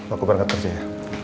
aku berangkat kerja ya